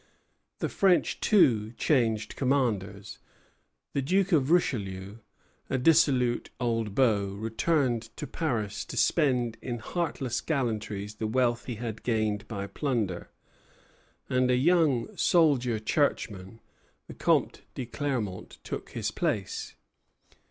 The French, too, changed commanders. The Duke of Richelieu, a dissolute old beau, returned to Paris to spend in heartless gallantries the wealth he had gained by plunder; and a young soldier churchman, the Comte de Clermont, took his place.